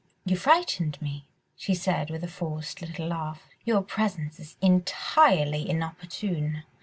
you frightened me," she said with a forced little laugh, "your presence is entirely inopportune.